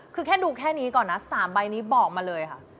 คือแค่ดูแค่นี้ก่อนนะ๓ใบนี้บอกมาเลยค่ะ